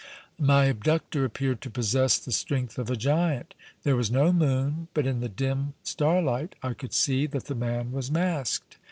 My abductor appeared to possess the strength of a giant. There was no moon, but in the dim starlight I could see that the man was masked.